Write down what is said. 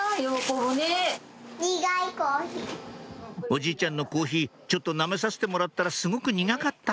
「おじいちゃんのコーヒーちょっとなめさせてもらったらすごく苦かった」